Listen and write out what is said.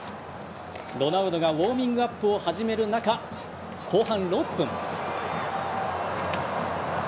ロナウドがウォーミングアップを始める中、後半６分。